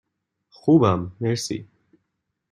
خوبم، مرسی.